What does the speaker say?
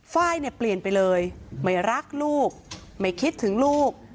ไฟล์เนี่ยเปลี่ยนไปเลยไม่รักลูกไม่คิดถึงลูก